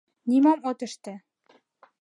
Нимом от ыште...